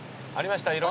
ありました